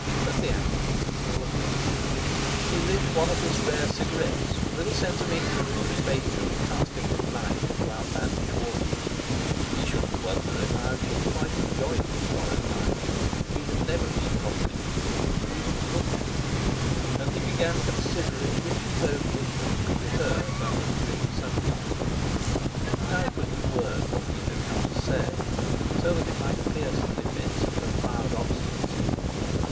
A theatrical people, the French! He lit one of his rare cigarettes, with a sense of injury that Fate should be casting his life into outlandish waters. He shouldn't wonder if Irene quite enjoyed this foreign life; she had never been properly English—even to look at! And he began considering which of those windows could be hers under the green sunblinds. How could he word what he had come to say so that it might pierce the defence of her proud obstinacy?